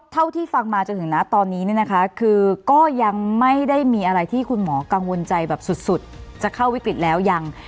เท่าที่ฟังมาจนถึงนะตอนนี้เนี่ยนะคะคือก็ยังไม่ได้มีอะไรที่คุณหมอกังวลใจแบบสุดจะเข้าวิกฤตแล้วยัง